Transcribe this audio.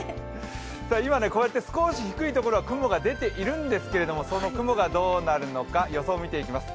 今、こうやって少し低いところは雲が出ているんですけれどもその雲がどうなるのか予想を見ていきます。